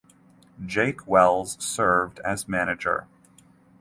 Jake Wells served as manager.